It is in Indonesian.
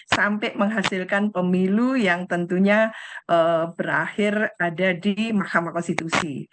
sampai menghasilkan pemilu yang tentunya berakhir ada di mahkamah konstitusi